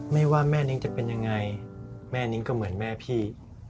ไม่ว่าแม่นิ้งจะเป็นยังไงแม่นิ้งก็เหมือนแม่พี่